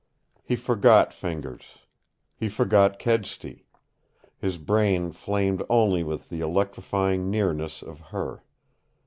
He forgot Fingers. He forgot Kedsty. His brain flamed only with the electrifying nearness of her.